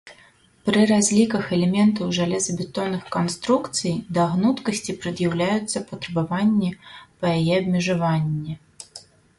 Пры разліках элементаў жалезабетонных канструкцый да гнуткасці прад'яўляюцца патрабаванні па яе абмежавання.